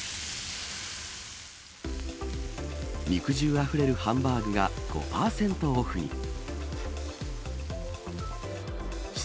肉汁あふれるハンバーグが５％オフに。